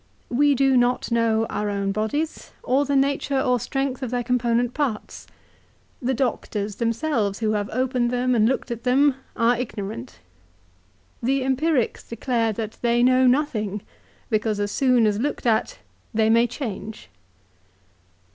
We do not know our own bodies, or the nature or strength of their component parts. The doctors themselves, who have opened them and looked at them, are ignorant. The Empirics declare that they know nothing ; because as soon as looked at they may change."